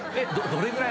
どれぐらい？